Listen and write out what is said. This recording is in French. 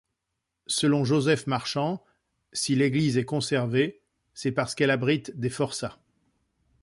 Selon Joseph Marchand, si l'église est conservée, c'est parce qu'elle abrite des forçats.